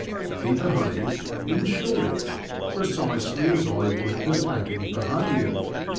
He behaved, in short, precisely as I would have had him behave.